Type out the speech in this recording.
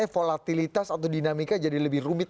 volatilitas atau dinamika jadi lebih rumit